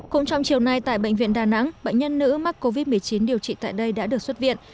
cũng trong chiều nay tại bệnh viện đà nẵng bệnh nhân nữ mắc covid một mươi chín điều trị tại đây đã được xuất viện